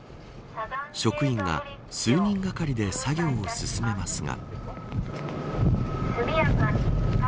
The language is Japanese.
職員が、数人がかりで作業を進めますが。